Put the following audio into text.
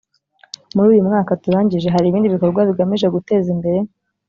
Muri uyu mwaka turangije hari ibindi bikorwa bigamije guteza imbere